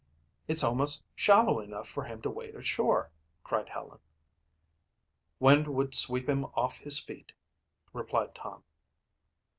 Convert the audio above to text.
"It's almost shallow enough for him to wade ashore," cried Helen. "Wind would sweep him off his feet," replied Tom.